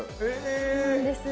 そうなんです。